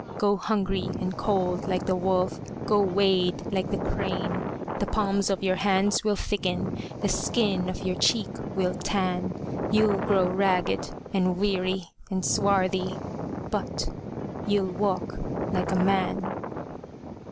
Go hungry and cold like the wolf, Go wade like the crane:The palms of your hands will thicken, The skin of your cheek will tan, You 'll grow ragged and weary and swarthy, But you 'll walk like a man!